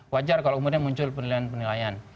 wajar kalau kemudian muncul penilaian penilaian